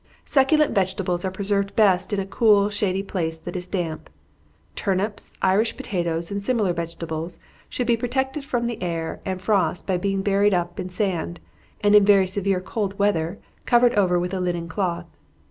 _ Succulent vegetables are preserved best in a cool, shady place, that is damp. Turnips, Irish potatoes, and similar vegetables, should be protected from the air and frost by being buried up in sand, and in very severe cold weather covered over with a linen cloth.